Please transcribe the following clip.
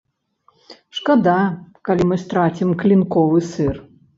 Шкада, калі мы страцім клінковы сыр.